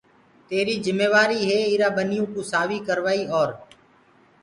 تيريٚ جميوآريٚ هي ايرآ سنڌيئو سآويٚ ڪروآئيٚ اور